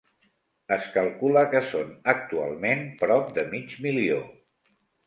Es calcula que són actualment prop de mig milió.